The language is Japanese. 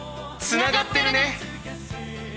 つながってるね！